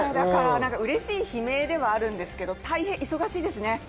うれしい悲鳴ではあるんですが、大変忙しいですね。